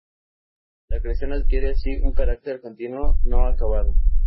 La creación adquiere así un carácter continuo, no acabado.